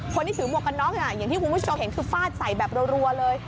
คนที่ถือหมวกกันน็อกอย่างที่คุณผู้ชมเห็นคือฟาดใส่แบบรัวเลย